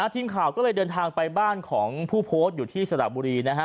ทีมข่าวก็เลยเดินทางไปบ้านของผู้โพสต์อยู่ที่สระบุรีนะฮะ